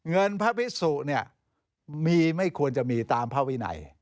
วัฒนภาพิสุเนี่ยมีไม่ควรจะมีตามภาวินัย